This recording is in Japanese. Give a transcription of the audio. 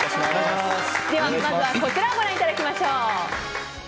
ではまずはこちらをご覧いただきましょう。